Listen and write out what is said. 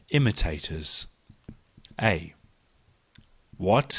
Imitators ,—A :" What